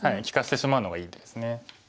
利かしてしまうのがいいですね。